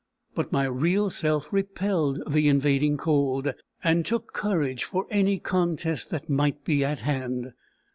But my real self repelled the invading cold, and took courage for any contest that might be at hand.